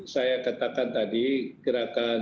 saya katakan tadi gerakan